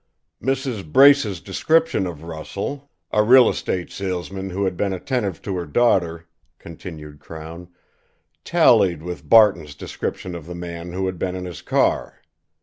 "Mrs. Brace's description of Russell, a real estate salesman who had been attentive to her daughter," continued Crown, "tallied with Barton's description of the man who had been on his car.